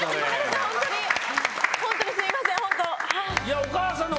本当にすみません。